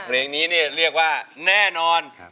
เพลงนี้เรียกว่าแน่นอน